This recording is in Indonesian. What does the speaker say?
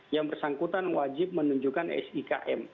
yang bersangkutan wajib menunjukkan sikm